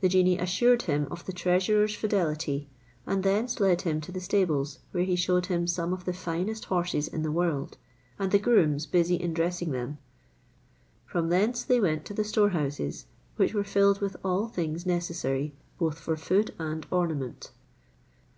The genie assured him of the treasurer's fidelity, and thence led him to the stables, where he showed him some of the finest horses in the world, and the grooms busy in dressing them; from thence they went to the store houses, which were filled with all things necessary, both for food and ornament.